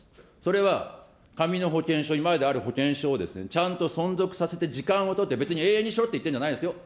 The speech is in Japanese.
それは紙の保険証、今まである保険証をちゃんと存続させて時間を取って、別に永遠にしろって言ってるんじゃないですよ。